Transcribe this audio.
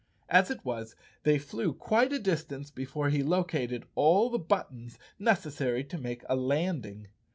As it was they flew quite a dis¬ tance before he located all the buttons necessary to make a landing.